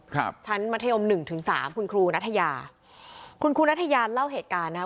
ครับชั้นมัธยมหนึ่งถึงสามคุณครูนัทยาคุณครูนัทยาเล่าเหตุการณ์นะครับ